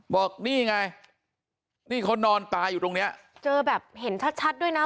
บอกนี่ไงนี่เขานอนตายอยู่ตรงเนี้ยเจอแบบเห็นชัดชัดด้วยนะ